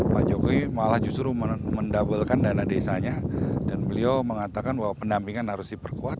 pak jokowi malah justru mendoubelkan dana desanya dan beliau mengatakan bahwa pendampingan harus diperkuat